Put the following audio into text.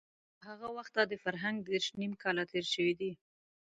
له هغه وخته د فرهنګ دېرش نيم کاله تېر شوي دي.